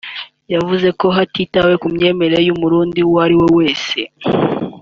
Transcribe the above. yavuze ko hatitawe ku myemerere y’Umurundi uwo ari we wese